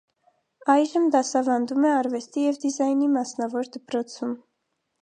Այժմ դասավանդում է արվեստի և դիզայնի մասնավոր դպրոցում։